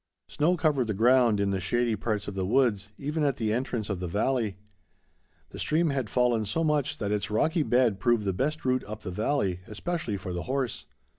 Snow covered the ground in the shady parts of the woods, even at the entrance of the valley. The stream had fallen so much that its rocky bed proved the best route up the valley, especially for the horse.